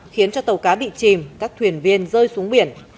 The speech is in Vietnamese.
khiến cho tàu cá bị chìm các thuyền viên rơi xuống biển